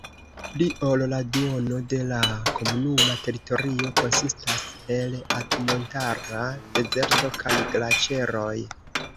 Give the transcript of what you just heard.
Pli ol la duono de la komunuma teritorio konsistas el altmontara dezerto kaj glaĉeroj.